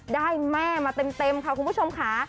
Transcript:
ได้แม่มาเต็มค่ะคุณผู้ชมค่ะ